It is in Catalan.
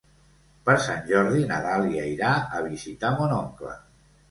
Per Sant Jordi na Dàlia irà a visitar mon oncle.